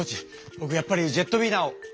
ぼくやっぱりジェットウィナーを。